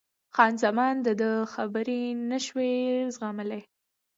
خان زمان د ده خبرې نه شوای زغملای.